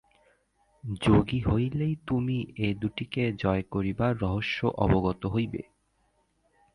যোগী হইলেই তুমি এ-দুটিকে জয় করিবার রহস্য অবগত হইবে।